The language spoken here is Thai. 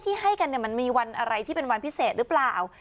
ให้กันมันมีวันอะไรที่เป็นวันพิเศษหรือเปล่า